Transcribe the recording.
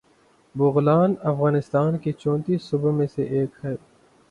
بغلان افغانستان کے چونتیس صوبوں میں سے ایک ہے